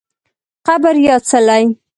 قبر یا څلی